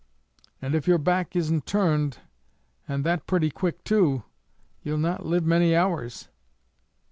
"And if your back isn't turned, and that pretty quick, too, ye'll not live many hours."